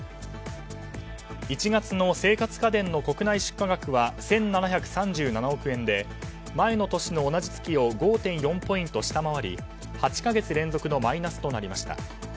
１月の生活家電の国内出荷額は１７３７億円で前の年の同じ月を５．４ポイント下回り８か月連続のマイナスとなりました。